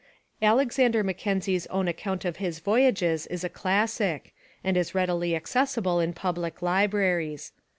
Alexander Mackenzie's own account of his voyages is a classic, and is readily accessible in public libraries.